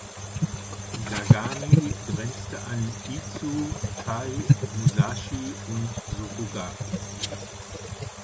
Sagami grenzte an Izu, Kai, Musashi und Suruga.